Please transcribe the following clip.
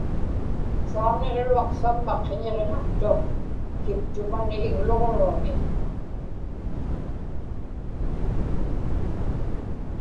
sauniġruaq samma qiñiġnaqtuq kiptumani igluġruami